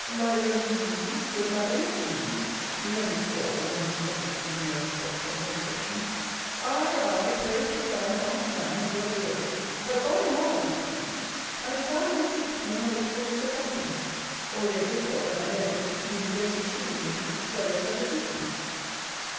By your le ave, good Madam, to me. You know his drawl, when his muscles give him the respectful hesitation. Ay, ay, pray sit down, honest man, if you are weary but by mamma, if you please. I desire my hoop may have its full circumference. All they're good for, that I know, is to clean dirty shoes, and to keep fellows at a distance.